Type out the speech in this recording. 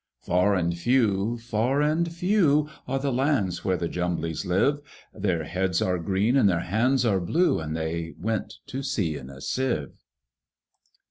Far and few, far and few, Are the lands where the Jumblies live; Their heads are green, and their hands are blue, And they went to sea in a Sieve.